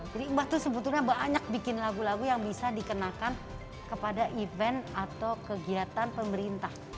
jadi mbah tuh sebetulnya banyak bikin lagu lagu yang bisa dikenakan kepada event atau kegiatan pemerintah